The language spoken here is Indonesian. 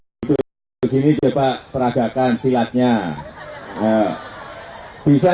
untuk ini juga peradakan silatnya